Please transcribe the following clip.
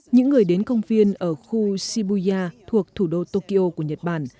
những người đến công viên ở khu shibuya thuộc thủ đô tokyo của nhật bản